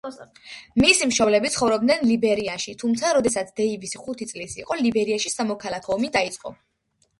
მისი მშობლები ცხოვრობდნენ ლიბერიაში, თუმცა როდესაც დეივისი ხუთი წლის იყო, ლიბერიაში სამოქალაქო ომი დაიწყო.